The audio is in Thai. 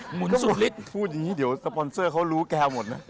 หุนสุฤทธิ์พูดอย่างนี้เดี๋ยวสปอนเซอร์เขารู้แกหมดนะ